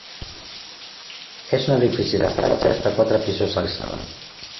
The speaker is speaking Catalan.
És un edifici d'estatges de quatre pisos d'alçada.